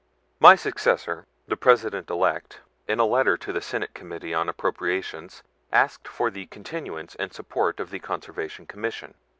... "My successor, the President elect, in a letter to the Senate Committee on Appropriations, asked for the continuance and support of the Conservation Commission.